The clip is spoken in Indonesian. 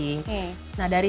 hai nah dari